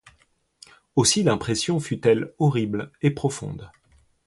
Aussi l'impression fut-elle horrible et profonde.